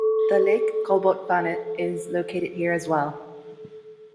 The lake Kolbotnvannet is located here as well.